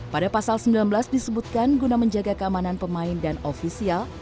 pada pasal sembilan belas disebutkan guna menjaga keamanan pemain dan ofisial